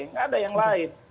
nggak ada yang lain